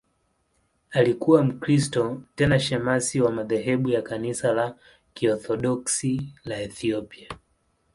Alikuwa Mkristo, tena shemasi wa madhehebu ya Kanisa la Kiorthodoksi la Ethiopia.